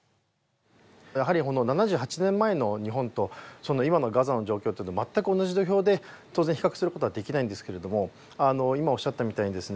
やはりこの７８年前の日本と今のガザの状況とで全く同じ土俵で当然比較することはできないんですけれども今おっしゃったみたいにですね